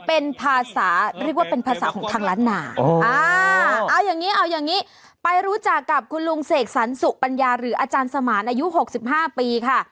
เอาอย่างนี้ไปรู้จักกับคุณลุงเสกสรรสุปัญญาหรืออาจารย์สมานอายุ๖๕ปีค่ะ